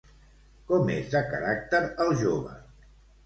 Com és de caràcter el jove?